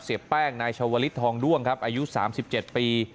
เสียแป้งนายชาวลิศทองด้วงครับอายุ๓๗ปี